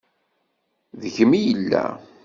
Deg-m i yella.